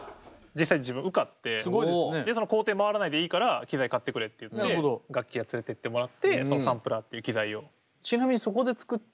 実際自分受かって「校庭まわらないでいいから機材買ってくれ」って言って楽器屋つれてってもらってそのサンプラーっていう機材を。